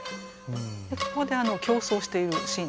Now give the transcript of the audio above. ここで競走しているシーンですね。